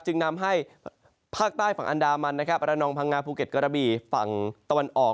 จึงนำให้ภาคใต้ฝั่งอันดามันนะครับระนองพังงาภูเก็ตกระบีฝั่งตะวันออก